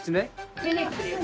・フェネックです